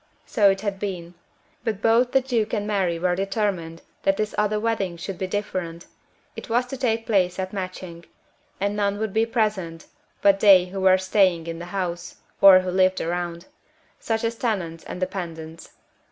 So it had been. But both the Duke and Mary were determined that this other wedding should be different. It was to take place at Matching, and none would be present but they who were staying in the house, or who lived around, such as tenants and dependants.